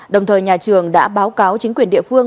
đồng thời nhà trường đã báo cáo chính quyền địa phương